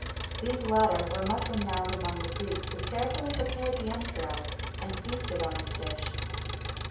[XXI 109] These latter were much renowned among the Greeks, who carefully prepared the entrails, and feasted on this dish.